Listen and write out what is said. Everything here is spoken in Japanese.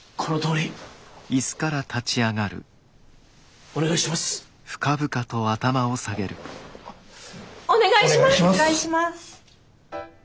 お願いします。